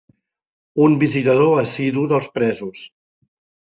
Un visitador assidu dels presos.